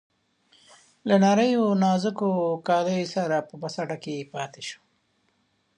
له نریو نازکو کالیو سره په بس اډه کې پاتې شو.